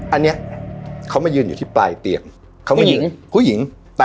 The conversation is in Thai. อันนี้เขามายืนอยู่ที่ปลายเตียงเขามายิงผู้หญิง